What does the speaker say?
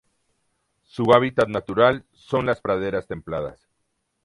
Su hábitat natural son las praderas templadas.